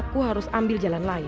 aku harus ambil jalan lain